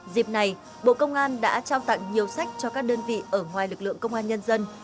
dịp này bộ công an đã trao tặng nhiều sách cho các đơn vị ở ngoài lực lượng công an nhân dân